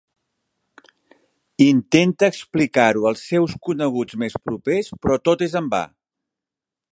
Intenta explicar-ho als seus coneguts més propers però tot és en va.